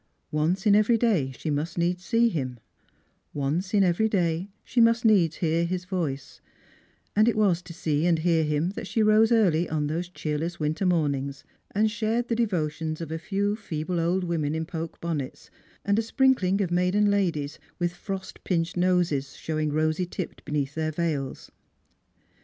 Once in every day she must needs see him; once in every day she must needs hear his voice; and it was to see and hear him that she rose early ou those cheerless winter mornings, and ehared the devotions of a few feeble old women in poke bonnets, and a sprinkling of maiden ladies with frost pinched noses, showing rosy tipped beneath their veils.